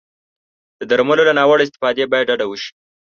د درملو له ناوړه استفادې باید ډډه وشي.